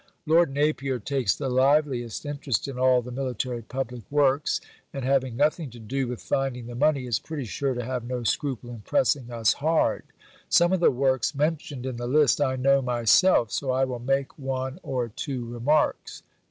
Lord Napier takes the liveliest interest in all the military public works, and having nothing to do with finding the money, is pretty sure to have no scruple in pressing us hard. Some of the works mentioned in the list I know myself, so I will make one or two remarks